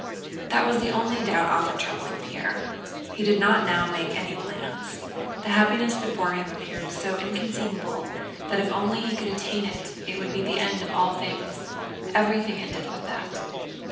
'" That was the only doubt often troubling Pierre. He did not now make any plans. The happiness before him appeared so inconceivable that if only he could attain it, it would be the end of all things. Everything ended with that.